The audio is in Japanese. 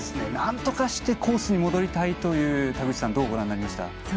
なんとかしてコースに戻りたいというのを田口さんはどうご覧になりましたか。